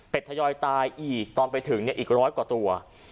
เป็ดทอยตายอีกตอนไปถึงเนี่ยอีก๑๐๐กว่าตัว